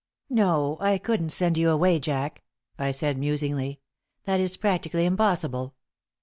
"No, I couldn't send you away, Jack," I said, musingly; "that is practically impossible.